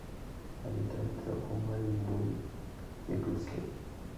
La letra la tradujo Mary y Buddy McCluskey.